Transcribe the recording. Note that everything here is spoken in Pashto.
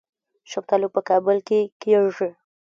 شفتالو په کابل کې کیږي